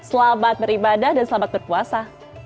selamat beribadah dan selamat berpuasa